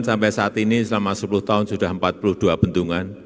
sampai saat ini selama sepuluh tahun sudah empat puluh dua bendungan